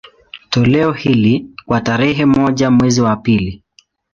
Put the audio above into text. Toleo hili, kwa tarehe moja mwezi wa pili